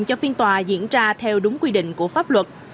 cho phiên tòa diễn ra theo đúng quy định của pháp luật